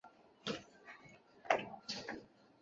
顺天府乡试第七十六名。